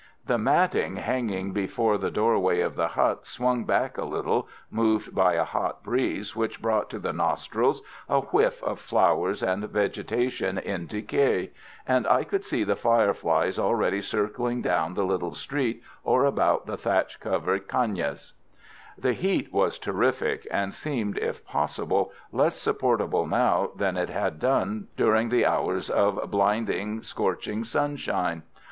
The matting hanging before the doorway of the hut swung back a little, moved by a hot breeze which brought to the nostrils a whiff of flowers and vegetation in decay; and I could see the fireflies already circling down the little street or about the thatch covered caignas. The heat was terrific, and seemed, if possible, less supportable now than it had done during the hours of blinding, scorching sunshine.